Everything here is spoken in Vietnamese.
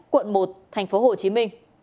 quận một tp hcm